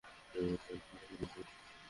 এই মেয়ে বাড়ি ফিরে যাবে।